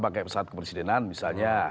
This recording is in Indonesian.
pakai pesawat kepresidenan misalnya